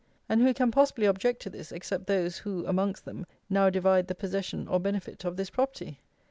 And who can possibly object to this, except those, who, amongst them, now divide the possession or benefit of this property?